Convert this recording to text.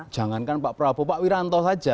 jangankan pak prabowo pak wiranto saja